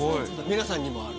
皆さんにもある。